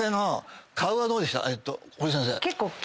堀井先生。